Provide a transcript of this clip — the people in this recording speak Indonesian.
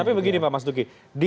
tapi begini pak mas duki